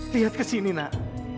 lihat kesini nak